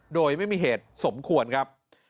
โดยไม่มีเหตุสมควรครับ